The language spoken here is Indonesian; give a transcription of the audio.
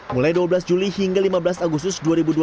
mulai dua belas juli hingga lima belas agustus dua ribu dua puluh